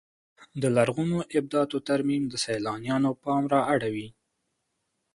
د لرغونو ابداتو ترمیم د سیلانیانو پام را اړوي.